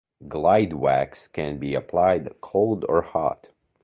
Glide wax can be applied cold or hot.